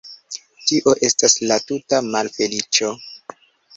Tio estas la tuta malfeliĉo!